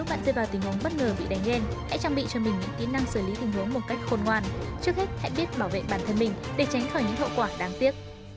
hãy đăng ký kênh để ủng hộ kênh của mình nhé